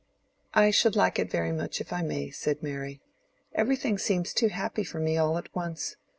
"I should like it very much, if I may," said Mary. "Everything seems too happy for me all at once.